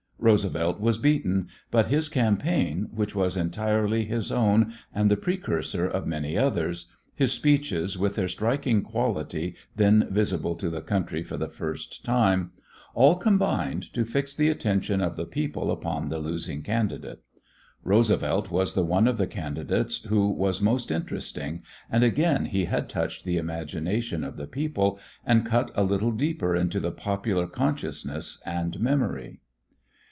Roosevelt was beaten, but his campaign, which was entirely his own and the precursor of many others, his speeches with their striking quality then visible to the country for the first time, all combined to fix the attention of the people upon the losing candidate. Roosevelt was the one of the candidates who was most interesting, and again he had touched the imagination of the people and cut a little deeper into the popular consciousness and memory.